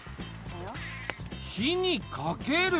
火にかける。